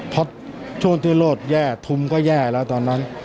เพราะช่วงที่โลดแย่ทุมก็แย่แล้วตอนนั้น